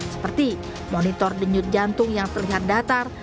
seperti monitor denyut jantung yang terlihat datar